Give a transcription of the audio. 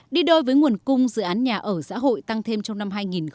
đi đôi với nguồn cung dự án nhà ở xã hội tăng thêm trong năm hai nghìn hai mươi